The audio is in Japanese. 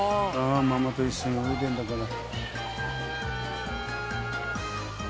ママと一緒に泳いでるんだから。